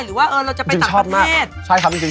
หรือเราจะไปต่างประเทศ